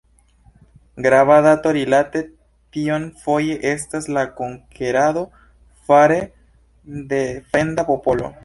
Grava dato rilate tion foje estas la konkerado fare de fremda popolo.